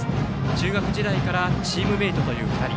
中学時代からチームメートという２人。